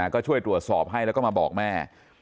ก็ช่วยตรวจสอบให้แล้วก็มาบอกแม่